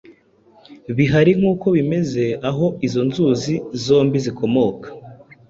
bihari nk’uko bimeze aho izo nzuzi zombi zikomoka.